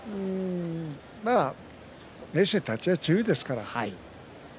明生は立ち合いが強いですからね。